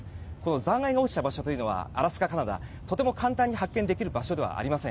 残骸が落ちた場所というのはアラスカ、カナダとても簡単に発見できる場所ではありません。